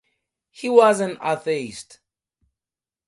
He was an atheist.